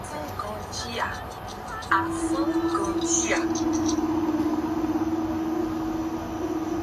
Posts contain a level of observational humor, such as direct explanations of management jargon.